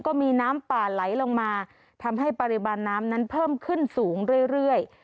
ก็มีน้ำป่าไหลลงมาทำให้ปริมาณน้ำนั้นเพิ่มขึ้นสูงเรื่อย